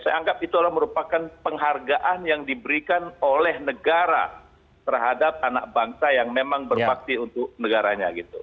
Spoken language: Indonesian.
saya anggap itu adalah merupakan penghargaan yang diberikan oleh negara terhadap anak bangsa yang memang berbakti untuk negaranya gitu